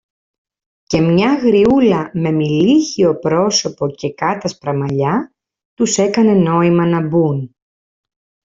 και μια γριούλα με μειλίχιο πρόσωπο και κάτασπρα μαλλιά, τους έκανε νόημα να μπουν.